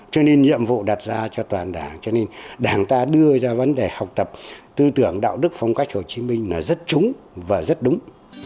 cho nên nhiệm vụ đặt ra cho toàn đảng cho nên đảng ta đưa ra vấn đề học tập tư tưởng đạo đức phong cách hồ chí minh là rất trúng và rất đúng